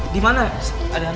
di mana ada hantu